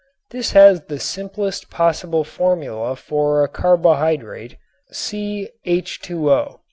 This has the simplest possible formula for a carbohydrate, CH_O.